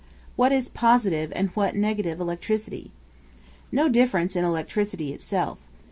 ] What is positive and what negative electricity? No difference in electricity in itself.